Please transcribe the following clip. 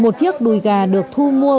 một chiếc đùi gà được thu mua